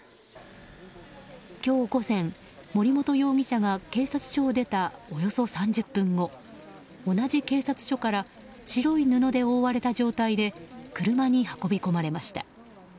今日午前、森本容疑者が警察署を出たおよそ３０分後同じ警察署から白い布で覆われた状態で車に運び込まれました。